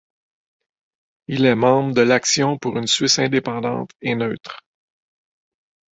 Il est membre de l'Action pour une Suisse indépendante et neutre.